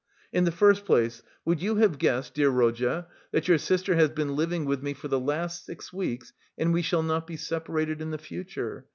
In the first place, would you have guessed, dear Rodya, that your sister has been living with me for the last six weeks and we shall not be separated in the future.